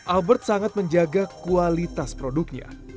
albert sangat menjaga kualitas produknya